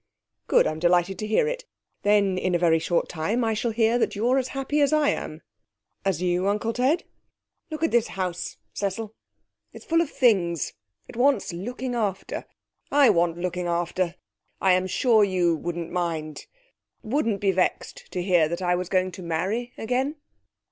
'Good. I'm delighted to hear it. Then in a very short time I shall hear that you're as happy as I am.' 'As you, Uncle Ted?' 'Look at this house, Cecil. It's full of Things; it wants looking after. I want looking after.... I am sure you wouldn't mind wouldn't be vexed to hear I was going to marry again?'